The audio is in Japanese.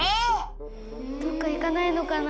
どっか行かないのかな。